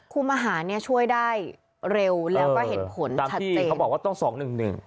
คุมอาหารเนี่ยช่วยได้เร็วแล้วก็เห็นผลตามชัดเจนเขาบอกว่าต้องสองหนึ่งหนึ่ง